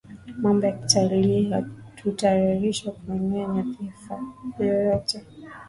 mambo ya kikatili hataruhusiwa kuania nyadhifa yoyote